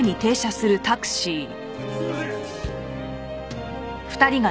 すいません！